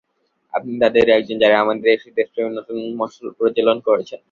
আপনি তাঁদেরই একজন, যাঁরা আমাদের দেশে দেশপ্রেমের নতুন মশাল প্রজ্বালন করেছেন।